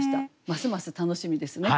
ますます楽しみですね。